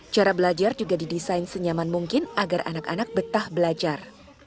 cara belajar juga didesain senyaman mungkin agar anak anak betah belajar